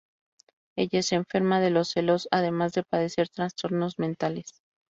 Ella es enferma de los celos, además de padecer trastornos mentales.